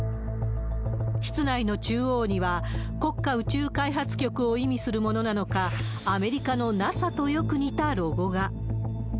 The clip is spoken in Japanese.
室内の中央には、国家宇宙開発局を意味するものなのか、アメリカのＮＡＳＡとよく似たロゴが。